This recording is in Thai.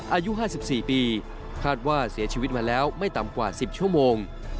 อายุ๕๔ปีคาดว่าเสียชีวิตมาแล้วไม่ต่ำกว่า๑๐ชั่วโมง